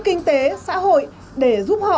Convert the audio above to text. kinh tế xã hội để giúp họ